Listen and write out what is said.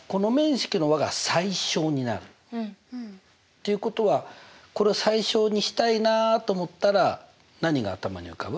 ということはこれを最小にしたいなと思ったら何が頭に浮かぶ？